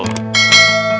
mau kemana rum